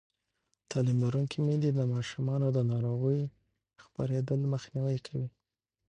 تعلیم لرونکې میندې د ماشومانو د ناروغۍ خپرېدل مخنیوی کوي.